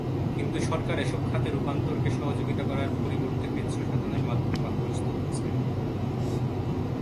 কিন্তু সরকার এসব খাতে রূপান্তরকে সহযোগিতা করার পরিবর্তে কৃচ্ছ্রসাধনের মাধ্যমে বাধাগ্রস্ত করছে।